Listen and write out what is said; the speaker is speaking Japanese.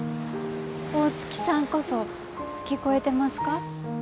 大月さんこそ聴こえてますか？